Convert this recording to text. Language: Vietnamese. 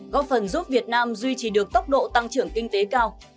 góp phần giúp việt nam duy trì được tốc độ tăng trưởng kinh tế cao